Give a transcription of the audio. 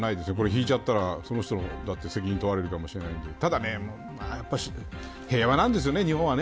ひいちゃったら、その人責任に問われるかもしれないしただ平和なんですよね日本は。